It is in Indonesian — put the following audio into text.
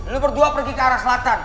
lo berdua pergi ke arah selatan